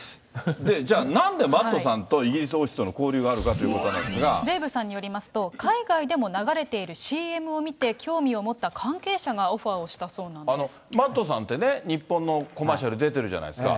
じゃあ、なんでＭａｔｔさんとイギリス王室の交流があるかとデーブさんによりますと、海外でも流れているＣＭを見て興味を持った関係者がオファーをしＭａｔｔさんってね、日本のコマーシャル出てるじゃないですか。